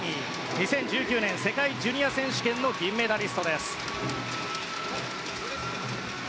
２０１９年世界ジュニア選手権銀メダリスト。